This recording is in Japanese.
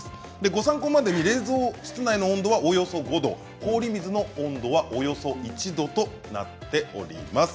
ご参考までに冷蔵室内の温度はおよそ５度、氷水の温度はおよそ１度となっております。